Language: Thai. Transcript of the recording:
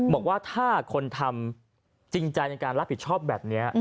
บอกว่าถ้าคนทำจริงใจในการรับผิดชอบแบบนี้